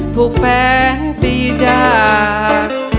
ถูกแฟนตีดยาก